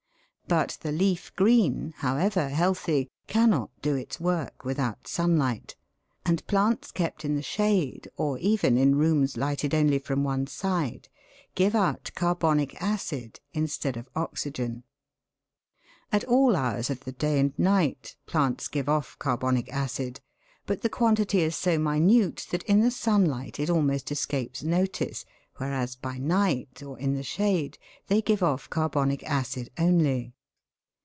But the leaf green, however healthy, cannot do its work without sunlight, and plants kept in the shade, or even in rooms lighted only from one side, give out carbonic acid instead of oxygen. At all hours of the day and night plants give off car bonic acid, but the quantity is so minute that in the sun light it almost escapes notice, whereas by night, or in the shade, they give off carbonic acid only.